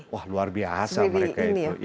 wah luar biasa mereka itu